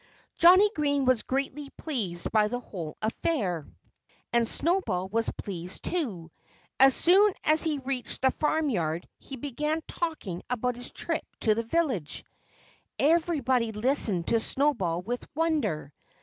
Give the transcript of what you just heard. Johnnie Green was greatly pleased by the whole affair. And Snowball was pleased, too. As soon as he reached the farmyard he began talking about his trip to the village. Everybody listened to Snowball with wonder.